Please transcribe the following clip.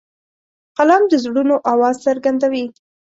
قلم د زړونو آواز څرګندوي